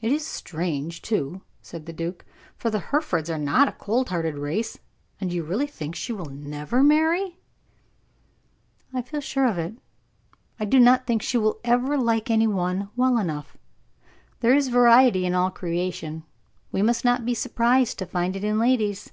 "It is strange, too," said the duke, "for the Herefords are not a cold hearted race. And do you really think that she will never marry?" "I feel sure of it. I do not think she will ever like any one well enough. There is variety in all creation. We must not be surprised to find it in ladies."